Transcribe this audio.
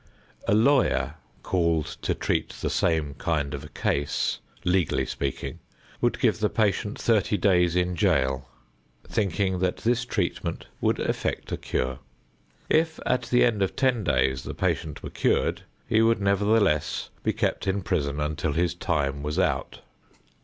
A lawyer called to treat the same kind of a case, legally speaking, would give the patient thirty days in jail, thinking that this treatment would effect a cure. If at the end of ten days the patient were cured, he would nevertheless be kept in prison until his time was out.